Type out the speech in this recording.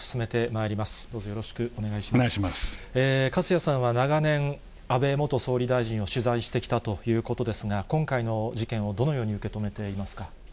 粕谷さんは長年、安倍元総理大臣を取材してきたということですが、今回の事件をどのように受け止めていますか。